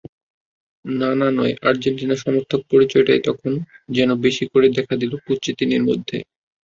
নানা নয়, আর্জেন্টিনা সমর্থক পরিচয়টাই তাই যেন বেশি করে দেখা দিল কুচ্চিতিনির মধ্যে।